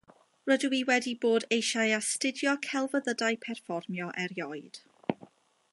Rydw i wedi bod eisiau astudio celfyddydau perfformio erioed